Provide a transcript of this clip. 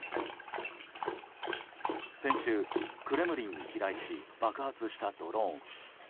先週、クレムリンに飛来し爆発したドローン。